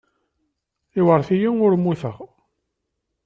Iwṛet-iyi, ur mmuteɣ.